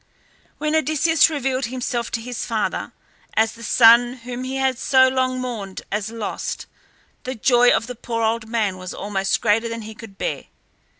When Odysseus revealed himself to his father as the son whom he had so long mourned as lost, the joy of the poor old man was almost greater than he could bear.